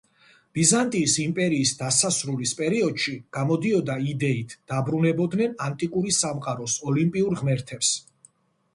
ბიზანტიის იმპერიის დასასრულის პერიოდში გამოდიოდა იდეით დაბრუნებოდნენ ანტიკური სამყაროს ოლიმპიურ ღმერთებს.